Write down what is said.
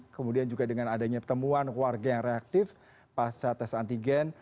kemudian juga dengan adanya pertemuan keluarga yang reaktif pas saat tes antigen